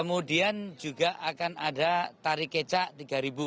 kemudian juga akan ada tari keca tiga ribu